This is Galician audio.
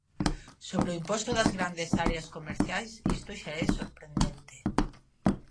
Sobre o imposto das grandes áreas comerciais, isto xa é sorprendente.